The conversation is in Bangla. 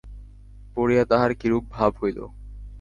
পড়িয়া তাহার কিরূপ ভাব হইল।